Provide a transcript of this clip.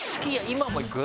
今も行く？